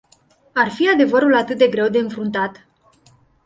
Ar fi adevărul atât de greu de înfruntat?